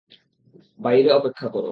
বাইরে অপেক্ষা করো।